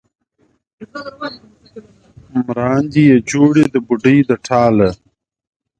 مراندې یې جوړې د بوډۍ د ټاله